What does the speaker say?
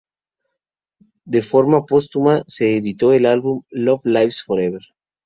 De forma póstuma se editó el álbum "Love lives forever".